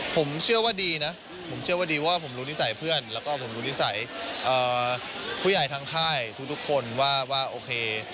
ผมเชื่อว่าดีนะผมว่ารู้นิสัยเพื่อนรู้นิสัยผู้ใหญ่ทางท่ายทุกคนว่าโอเค